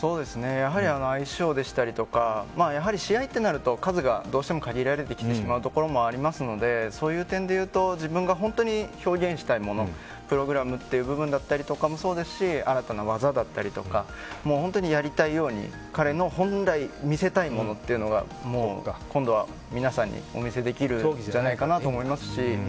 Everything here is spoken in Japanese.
やはりアイスショーでしたりとかやはり試合となると数がどうしても限られてきてしまうところがありますのでそういう点でいうと自分が本当に表現したいものプログラムという部分だったりもそうですし新たな技だったりとか本当にやりたいように彼の本来見せたいものというのが今度は皆さんにお見せできるんじゃないかなと思いますし。